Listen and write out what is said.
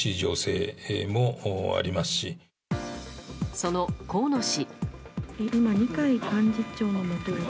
その河野氏。